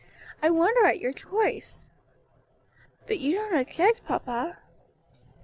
I wonder at your choice." "But you don't object, papa?"